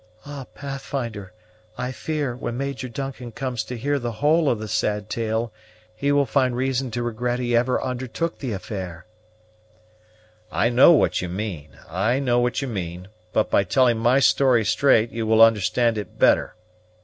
"Ah, Pathfinder, I fear, when Major Duncan comes to hear the whole of the sad tale, he will find reason to regret he ever undertook the affair." "I know what you mean, I know what you mean; but by telling my story straight you will understand it better.